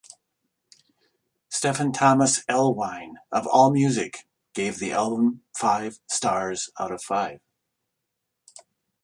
Stephen Thomas Erlewine of AllMusic gave the album five stars out of five.